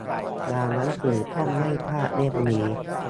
งานหนังสือ ต้องไม่พลาดเล่มนี้ !